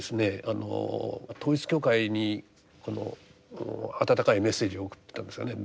あの統一教会にこの温かいメッセージを送ったんですかね。